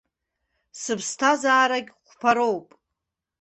Сыԥсҭазаарагь қәԥароуп!